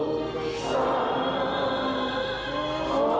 ลูกจะเข้าไว้ใจ